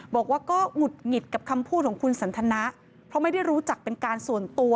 บอกว่าก็หงุดหงิดกับคำพูดของคุณสันทนะเพราะไม่ได้รู้จักเป็นการส่วนตัว